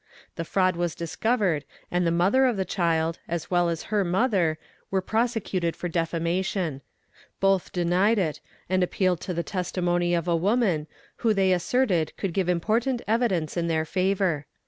'The fraud was discovered and the mother of the child, as well as her mother, were prosecuted for defamation: both denied it and appealed to the testi mony of a woman, who they asserted could give important evidence in their favour.